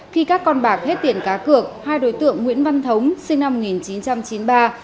khi các con bạc hết tiền cá cược hai đối tượng nguyễn văn thống sinh năm một nghìn chín trăm chín mươi ba